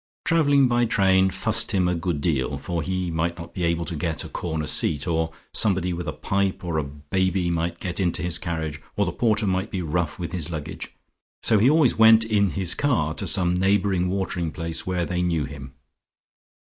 Travelling by train fussed him a good deal, for he might not be able to get a corner seat, or somebody with a pipe or a baby might get into his carriage, or the porter might be rough with his luggage, so he always went in his car to some neighbouring watering place where they knew him.